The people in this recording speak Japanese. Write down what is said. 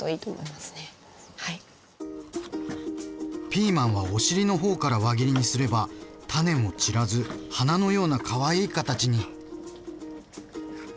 ピーマンはお尻の方から輪切りにすれば種も散らず花のようなかわいい形に。